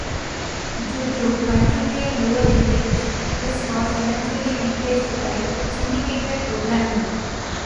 Due to continual low ratings, this was eventually replaced by syndicated programming.